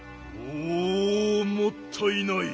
おおもったいない。